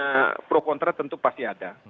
nah pro kontra tentu pasti ada